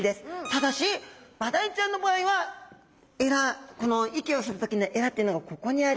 ただしマダイちゃんの場合は鰓この息をする時に鰓っていうのがここにあります。